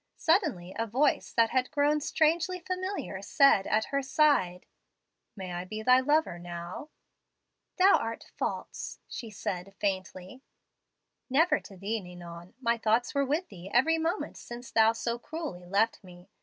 Suddenly a voice that had grown strangely familiar said at her side, 'May I be thy lover now?' "'Thou art false,' she said faintly. "'Never to thee, Ninon. My thoughts were with thee every moment since thou so cruelly left me.